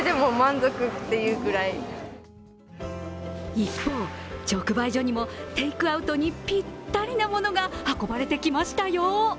一方、直売所にもテイクアウトにぴったりなものが運ばれてきましたよ。